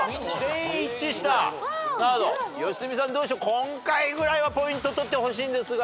今回ぐらいはポイント取ってほしいんですが。